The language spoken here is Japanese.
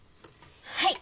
はい。